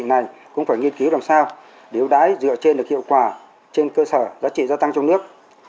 và các cái quy định này cũng phải nghiên cứu làm sao để ưu đái dựa trên được hiệu quả trên cơ sở giá trị gia tăng trong nước